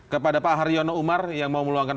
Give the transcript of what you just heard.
kepada pak haryono umar yang mau meluangkan